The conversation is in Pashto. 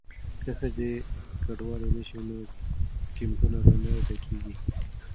که ښځې کډوالې نه شي نو کیمپونه به نه ډکیږي.